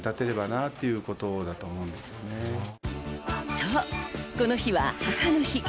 そう、この日は母の日。